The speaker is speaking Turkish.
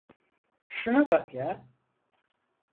Şuna bak ya.